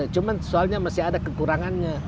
cuma soalnya masih ada kekurangannya